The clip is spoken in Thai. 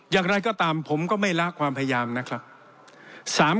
อย่างไรก็ตามผมก็ไม่ละความพยายามนะครับ